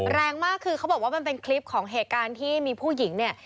แรงมากคือเขาบอกว่ามันเป็นคลิปของเหตุการณ์ที่มีผู้หญิงเนี่ย